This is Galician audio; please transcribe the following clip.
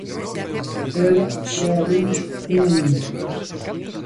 A ela só a vemos un momento.